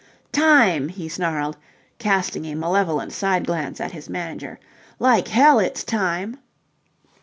"Time!" he snarled, casting a malevolent side glance at his manager. "Like hell it's time!"